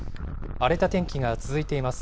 荒れた天気が続いています。